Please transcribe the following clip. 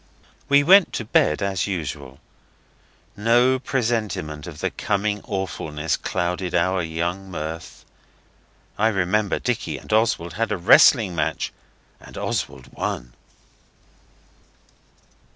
We went to bed as usual. No presentiment of the coming awfulness clouded our young mirth. I remember Dicky and Oswald had a wrestling match, and Oswald won.